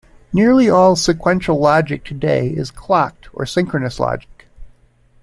Nearly all sequential logic today is "clocked" or "synchronous" logic.